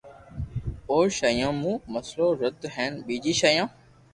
او ݾيوين مون پيسلو رٻڙ ھين ٻجي ݾيون